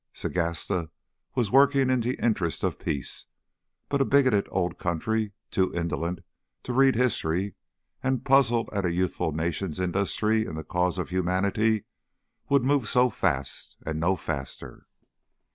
Sagasta was working in the interests of peace; but a bigoted old country, too indolent to read history, and puzzled at a youthful nation's industry in the cause of humanity, would move so fast and no faster.